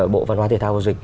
bộ văn hóa thể thao hồ dịch